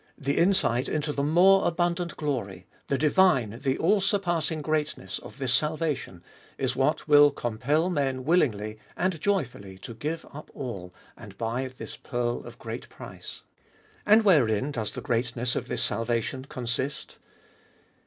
The insight into the more abundant glory, the divine, the all surpassing greatness of this salvation, is what will compel men willingly and joyfully to give up all and buy this pearl of great price. And wherein does the greatness of this salvation consist?